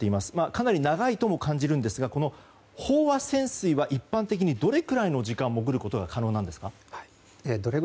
かなり長いとも感じるんですが飽和潜水は一般的にどれくらいの時間もぐることが可能なんですか。